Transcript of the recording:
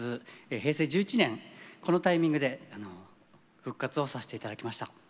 平成１１年このタイミングで復活をさせて頂きました。